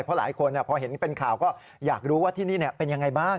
เพราะหลายคนพอเห็นเป็นข่าวก็อยากรู้ว่าที่นี่เป็นยังไงบ้าง